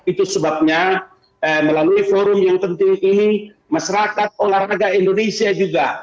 itu sebabnya melalui forum yang penting ini masyarakat olahraga indonesia juga